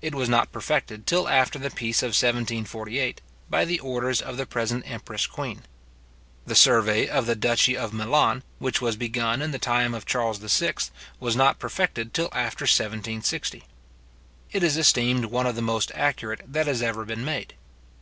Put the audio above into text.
It was not perfected till after the peace of 1748, by the orders of the present empress queen. {Id. tom i. p.85, 84.} The survey of the duchy of Milan, which was begun in the time of Charles VI., was not perfected till after 1760. It is esteemed one of the most accurate that has ever been made.